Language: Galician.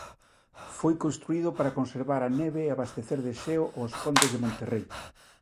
Foi construído para conservar a neve e abastecer de xeo aos condes de Monterrei.